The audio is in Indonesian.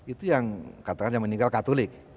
itu yang katakan yang meninggal katolik